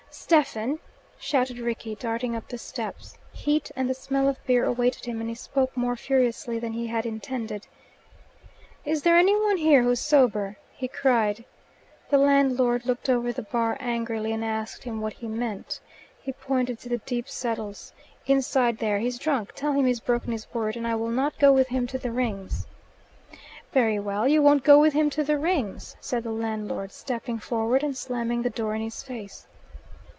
"Stephen!" shouted Rickie, darting up the steps. Heat and the smell of beer awaited him, and he spoke more furiously than he had intended. "Is there any one here who's sober?" he cried. The landlord looked over the bar angrily, and asked him what he meant. He pointed to the deep settles. "Inside there he's drunk. Tell him he's broken his word, and I will not go with him to the Rings." "Very well. You won't go with him to the Rings," said the landlord, stepping forward and slamming the door in his face.